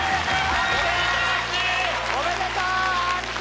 おめでとうＲＧ！